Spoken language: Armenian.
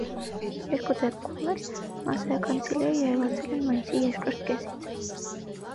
Երկու դեպքում էլ մասսայական ծիլերը երևացել են մայիսի երկրորդ կեսից։